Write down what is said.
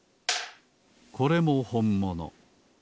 これもほんもの。